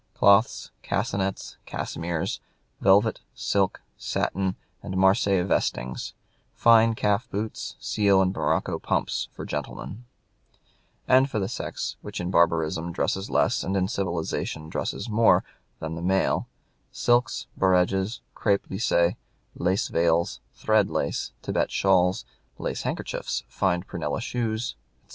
"Cloths, cassinetts, cassimeres, velvet, silk, satin, and Marseilles vestings, fine calf boots, seal and morocco pumps, for gentlemen," and for the sex which in barbarism dresses less and in civilization dresses more than the male, "silks, bareges, crepe lisse, lace veils, thread lace, Thibet shawls, lace handkerchiefs, fine prunella shoes, etc."